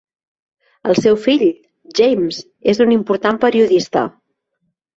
El seu fill, James, és un important periodista.